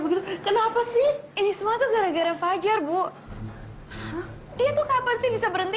begitu kenapa sih ini semua tuh gara gara fajar bu dia tuh kapan sih bisa berhenti